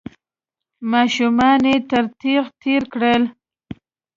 ماشومان يې تر تېغ تېر کړل.